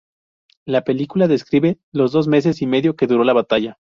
La película describe los dos meses y medio que duró la batalla.